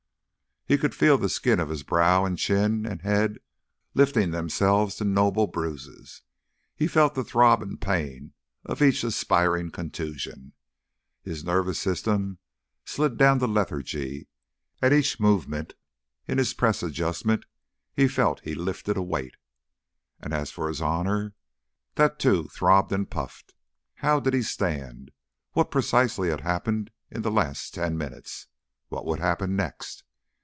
He could feel the skin of his brow and chin and head lifting themselves to noble bruises, felt the throb and pain of each aspiring contusion. His nervous system slid down to lethargy; at each movement in his press adjustment he felt he lifted a weight. And as for his honour that too throbbed and puffed. How did he stand? What precisely had happened in the last ten minutes? What would happen next?